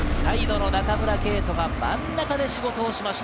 サイドの中村敬斗が真ん中で仕事をしました。